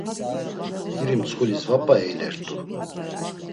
İri mtsxulis va p̌a eyilert̆u.